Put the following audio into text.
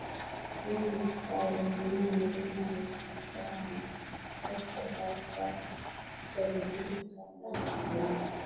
tisini na sita alihamia milima ya Uzungwa alipojificha Kutoka huko alitelemka mara kwa mara